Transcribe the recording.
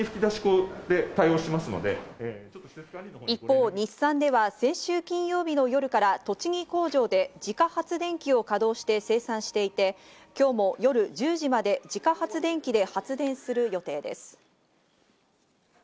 一方、日産では先週金曜日の夜から栃木工場で自家発電機を稼働して生産していて、今日も夜１０時まで自家発電機で発電する予定です。